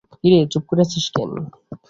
কি রে, চুপ করে আছিস কেন?